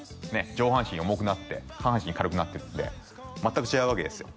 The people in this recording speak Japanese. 上半身重くなって下半身軽くなってるので全く違うわけですよ